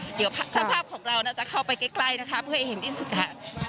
เดี๋ยวสภาพของเราน่าจะเข้าไปใกล้นะคะเพื่อให้เห็นที่สุดค่ะ